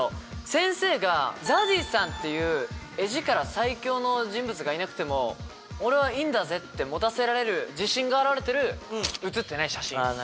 先生がＺＡＺＹさんっていう画力最強の人物がいなくても俺はいいんだぜ！って持たせられる自信が表れてる写ってない写真。